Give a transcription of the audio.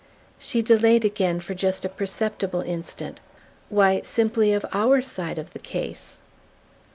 She delayed again for a just perceptible instant. "Why, simply of OUR side of the case."